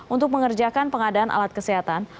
untuk mengerjakan pengadaan alat kesehatan